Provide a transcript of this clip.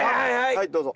はいどうぞ。